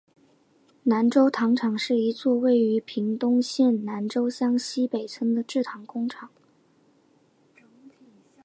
南州糖厂是一座位于屏东县南州乡溪北村的制糖工厂。